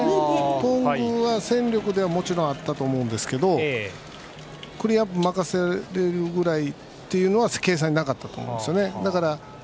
頓宮は、戦力ではもちろんあったと思うんですがクリーンヒット任せられるぐらいというのは計算になかったですね。